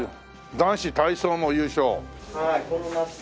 男子体操も優勝。